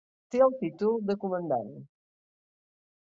Té el títol de comandant.